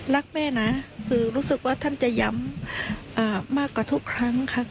รักแม่นะคือรู้สึกว่าท่านจะย้ำมากกว่าทุกครั้งค่ะ